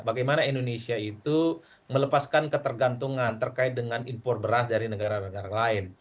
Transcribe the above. bagaimana indonesia itu melepaskan ketergantungan terkait dengan impor beras dari negara negara lain